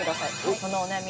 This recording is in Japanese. そのお悩み